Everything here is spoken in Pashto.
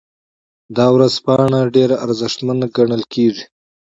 دا ژورنال ډیر ارزښتمن ګڼل کیږي.